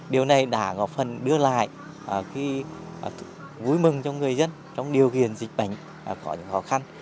điều này đã góp phần đưa lại vui mừng cho người dân trong điều khiển dịch bệnh có những khó khăn